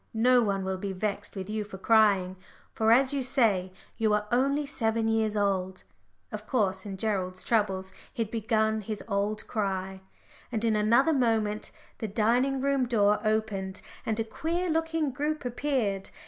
no one will be vexed with you for crying, for, as you say, you are only seven years old." Of course, in Gerald's troubles he had begun his old cry! And in another moment the dining room door opened and a queer looking group appeared.